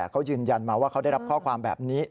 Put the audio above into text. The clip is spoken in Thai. เขายืนยันมาว่าเขาได้รับข้อความแบบนี้